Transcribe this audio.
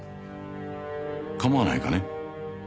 構わないかね？